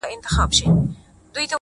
هغه ليوني ټوله زار مات کړی دی _